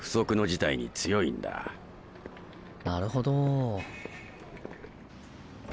なるほど。